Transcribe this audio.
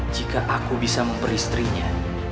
jika aku bisa memperistrinya